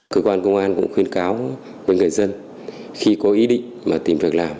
cơ quan công an cũng khuyến cáo với người dân khi có ý định mà tìm việc làm